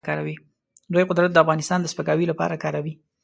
دوی قدرت د افغانستان د سپکاوي لپاره کاروي.